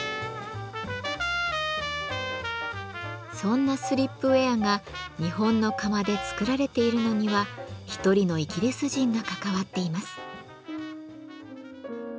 そんなスリップウェアが日本の窯で作られているのには一人のイギリス人が関わっています。